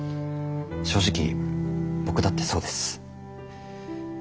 正直僕だってそうです。